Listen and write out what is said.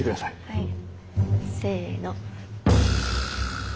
はい。